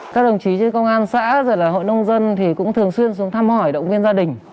các đồng chí trên công an xã và hội nông dân cũng thường xuyên xuống thăm hỏi động viên gia đình